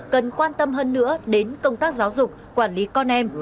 cần quan tâm hơn nữa đến công tác giáo dục quản lý con em